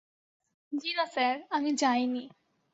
জি না স্যার, আমি যাই নি।